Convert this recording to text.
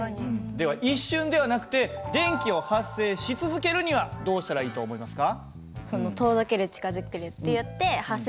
では一瞬ではなくて電気を発生し続けるにはどうしたらいいと思いますか？